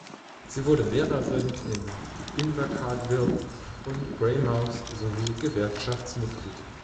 Sie wurde Lehrerin in Invercargill und Greymouth sowie Gewerkschaftsmitglied.